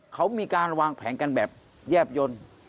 เขามีการวางแผนกันแบบแยบยนต์